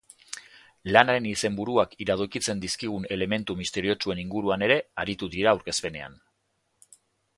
Lanaren izenburuak iradokitzen dizkigun elementu misteriotsuen inguruan ere aritu dira aurkezpenean.